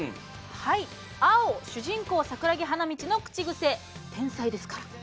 青、主人公・桜木花道の口癖、「天才ですから」。